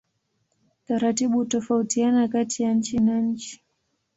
Taratibu hutofautiana kati ya nchi na nchi.